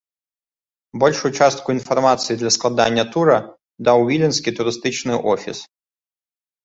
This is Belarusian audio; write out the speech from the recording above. Большую частку інфармацыі для складання тура даў віленскі турыстычны офіс.